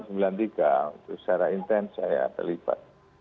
secara intens saya terlibat